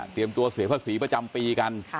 ตัวเสียภาษีประจำปีกัน